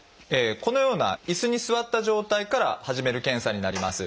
このような椅子に座った状態から始める検査になります。